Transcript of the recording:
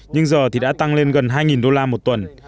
nhưng giờ thì đã tăng lên gần hai đô la một tuần